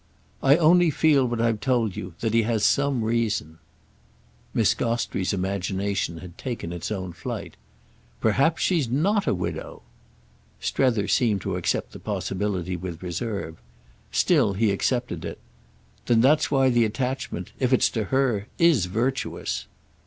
"I only feel what I've told you—that he has some reason." Miss Gostrey's imagination had taken its own flight. "Perhaps she's not a widow." Strether seemed to accept the possibility with reserve. Still he accepted it. "Then that's why the attachment—if it's to her—is virtuous."